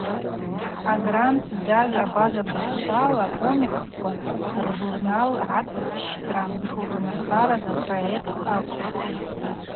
Агрант згаз абаза бызшвала акомиксква ржурнал агӏацӏщтра знархараз апроект акӏвпӏ.